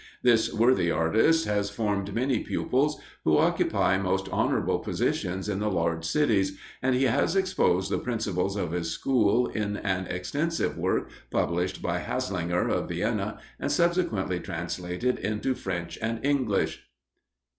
This worthy artist has formed many pupils, who occupy most honourable positions in the large cities, and he has exposed the principles of his school in an extensive work, published by Haslinger, of Vienna, and subsequently translated into French and English.